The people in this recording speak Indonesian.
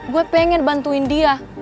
gue pengen bantuin dia